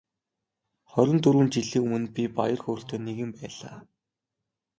Хорин дөрвөн жилийн өмнө би баяр хөөртэй нэгэн байлаа.